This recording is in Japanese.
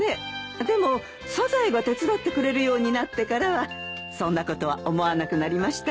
でもサザエが手伝ってくれるようになってからはそんなことは思わなくなりましたよ。